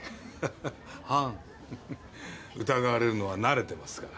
ははっ疑われるのは慣れてますから。